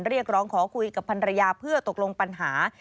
เรียกร้องขอคุยกับพันรยาเพื่อตกลงปัญหา